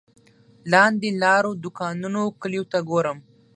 لاندې لارو دوکانونو او کلیو ته ګورم.